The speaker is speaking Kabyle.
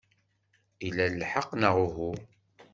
Ila lḥeqq, neɣ uhu?